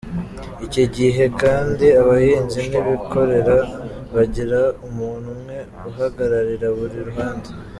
Icyi gihe kandi abahinzi n’abikorera bagiraga umuntu umwe uhagararira buri ruhande.